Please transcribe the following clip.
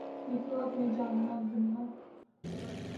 مَیں کیوں اپنی جاننا گننا